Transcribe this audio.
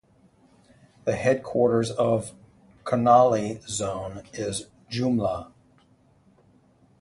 The headquarters of Karnali Zone is Jumla.